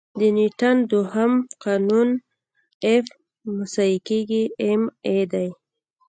د نیوټن دوهم قانون F=ma دی.